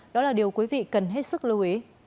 đó là điều quý vị cần hết sức lưu ý